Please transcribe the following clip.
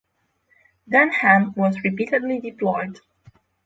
Den Ham was repeatedly deployed.